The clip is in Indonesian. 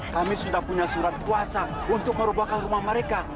kami sudah punya surat kuasa untuk merubahkan rumah mereka